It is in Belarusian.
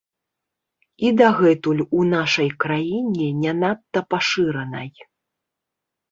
І дагэтуль у нашай краіне не надта пашыранай.